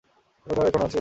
ওটা এখনও আছে?